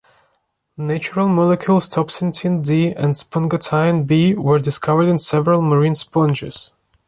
Natural molecules topsentin D and spongotine B were discovered in several marine sponges.